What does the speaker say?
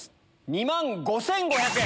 ２万５５００円。